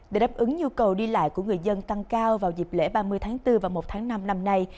để đáp ứng nhu cầu đi lại của người dân tăng cao vào dịp lễ ba mươi tháng bốn và một tháng năm năm nay